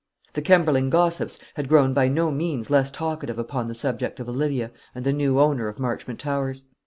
The Kemberling gossips had grown by no means less talkative upon the subject of Olivia and the new owner of Marchmont Towers.